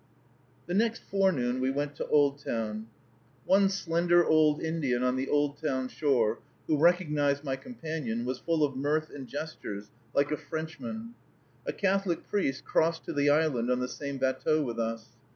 The next forenoon we went to Oldtown. One slender old Indian on the Oldtown shore, who recognized my companion, was full of mirth and gestures, like a Frenchman. A Catholic priest crossed to the island in the same batteau with us.